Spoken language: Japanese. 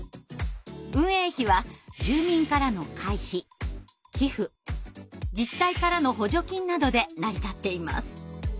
運営費は住民からの会費・寄付自治体からの補助金などで成り立っています。